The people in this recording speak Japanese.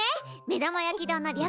目玉焼き丼の略。